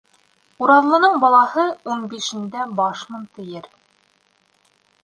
Ураҙлының балаһы ун бишендә башмын, тиер.